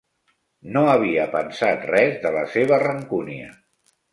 No havia pensat res de la seva rancúnia.